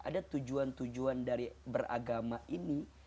ada tujuan tujuan dari beragama ini